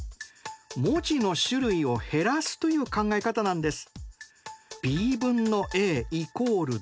文字の種類を減らすという考え方なんです。